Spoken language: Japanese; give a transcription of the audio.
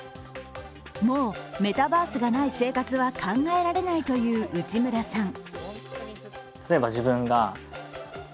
もうメタバースがない生活は考えられないという内村さん。